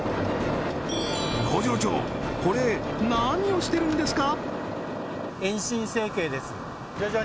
工場長これ何をしてるんですか？